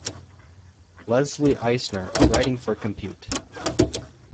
Leslie Eiser, writing for Compute!